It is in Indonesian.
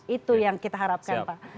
itu yang kita harapkan pak